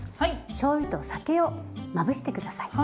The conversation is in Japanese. しょうゆと酒をまぶして下さい。